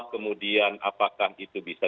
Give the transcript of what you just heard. kemudian apakah itu bisa